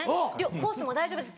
コースも大丈夫ですね？」